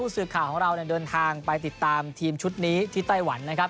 สื่อข่าวของเราเดินทางไปติดตามทีมชุดนี้ที่ไต้หวันนะครับ